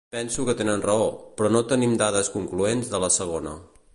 Penso que tenen raó, però no tenim dades concloents de la segona.